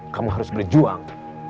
kamu harus berjuang